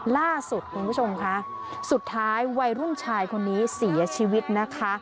ล่าสุดคุณผู้ชมค่ะสุดท้ายวัยรุ่นชายคนนี้เสียชีวิตนะคะ